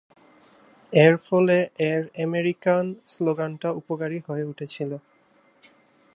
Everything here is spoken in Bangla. এর ফলে, এর আমেরিকান স্লোগানটা উপকারী হয়ে উঠেছিল?